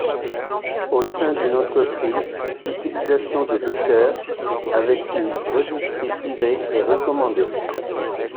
Au sein d'une entreprise l'utilisation de docker avec une registry privée est recommandée.